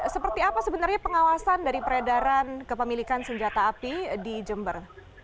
seperti apa sebenarnya pengawasan dari peredaran kepemilikan senjata api di jember